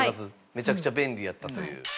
めちゃくちゃ便利やったという。